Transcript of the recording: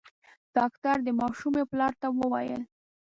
ډاکټر د ماشومي پلار ته وويل :